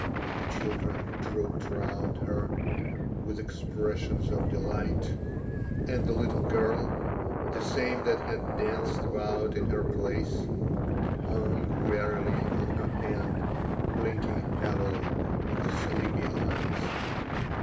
The children trooped round her with expressions of delight, and the little girl—the same that had danced about in her place—hung wearily on her hand, blinking heavily with sleepy eyes.